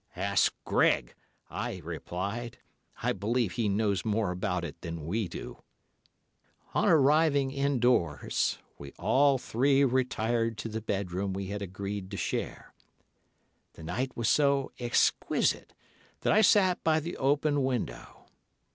"'Ask Greg,' I replied. 'I believe he knows more about it than we do.' "On arriving indoors, we all three retired to the bedroom we had agreed to share. The night was so exquisite that I sat by the open window.